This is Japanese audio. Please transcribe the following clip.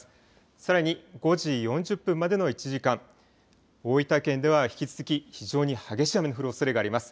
さらに５時４０分までの１時間大分県では引き続き非常に激しい雨の降るおそれがあります。